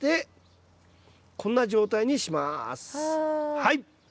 はい！